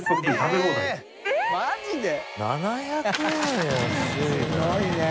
すごいね。